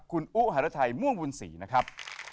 คุณอุหารชัยม่วงบุญศรีนะครับ